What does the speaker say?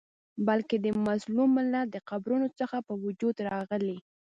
بلکي د مظلوم ملت د قبرونو څخه په وجود راغلی